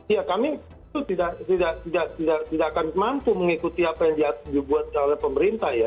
ya kami itu tidak akan mampu mengikuti apa yang dibuat oleh pemerintah ya